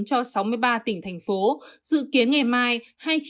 cho sáu mươi ba tỉnh thành phố dự kiến ngày mai